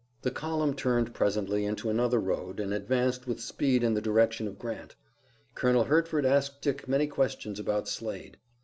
The column turned presently into another road and advanced with speed in the direction of Grant. Colonel Hertford asked Dick many questions about Slade.